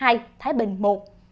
các địa phương ghi nhận số ca nhiễm